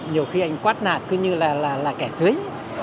nhiều khi anh quát nạt cứ như là kẻ dưới